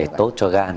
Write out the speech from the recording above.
để tốt cho gan